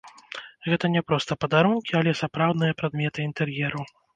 Гэта не проста падарункі, але сапраўдныя прадметы інтэр'еру!